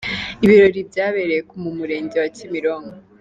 Ibirori byabereye mu murenge wa Kimironko.